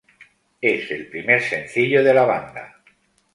Es el primer sencillo de la banda.